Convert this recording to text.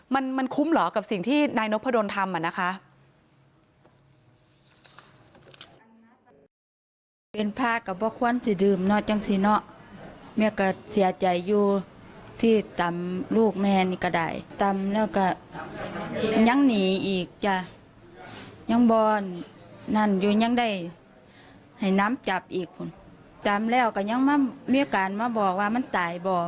มันคุ้มเหรอกับสิ่งที่นายนพดลทำนะคะ